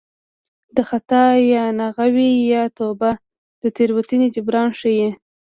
د خطا یا ناغه وي یا توبه د تېروتنې جبران ښيي